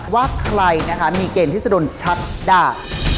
ว่าใครนะคะมีเกณฑ์ที่จะโดนชักด่า